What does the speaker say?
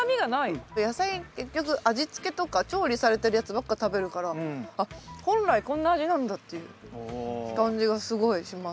野菜結局味付けとか調理されてるやつばっか食べるから本来こんな味なんだっていう感じがすごいします。